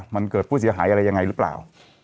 มันเกิดผู้เสียหายอะไรยังไงหรือเปล่า